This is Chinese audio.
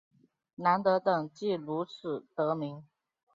南德等即如此得名。